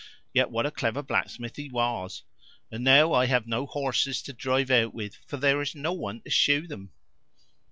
Yet what a clever blacksmith he was! And now I have no horses to drive out with, for there is no one to shoe them."